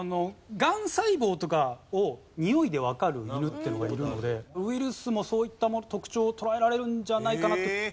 がん細胞とかをにおいでわかる犬っていうのがいるのでウイルスもそういった特徴を捉えられるんじゃないかなと。